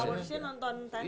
setelah abis itu nonton apa ya